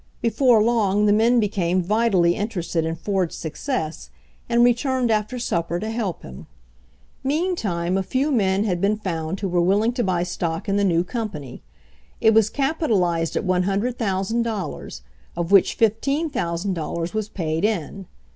Before long the men became vitally interested in Ford's success and returned after supper to help him. Meantime a few men had been found who were willing to buy stock in the new company. It was capitalized at $100,000, of which $15,000 was paid in.